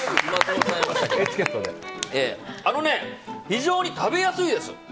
あのね、非常に食べやすいです。